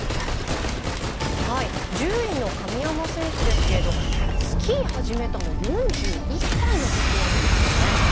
１０位の神山選手ですけどスキーを始めたのは４１歳のときなんですよね。